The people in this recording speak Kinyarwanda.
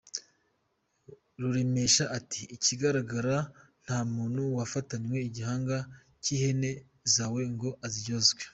Ruremesha ati “Ikigaragara nta muntu wafatanywe igihanga cy’ihene zawe ngo aziryozwe.